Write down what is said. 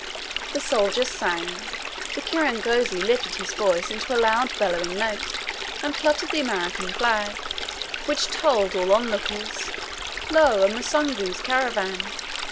The soldiers sang, the kirangozi lifted his voice into a loud bellowing note, and fluttered the American flag, which told all on lookers, "Lo, a Musungu's caravan!"